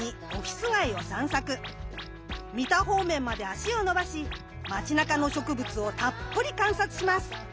三田方面まで足を延ばし街中の植物をたっぷり観察します。